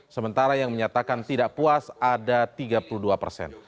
sementara yang menyatakan tidak puas ada tiga puluh dua persen